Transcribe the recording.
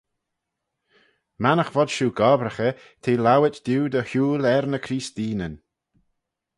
Mannagh vod shiu gobbraghey t'eh lowit diu dy hooyl er ny Creesteenyn.